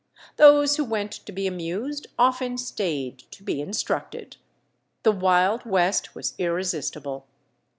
Those who went to be amused often stayed to be instructed. The Wild West was irresistible.